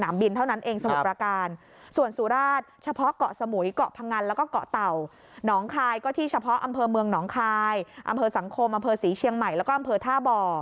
อำเภอสังคมอำเภอศรีเชียงใหม่แล้วก็อำเภอท่าบ่อ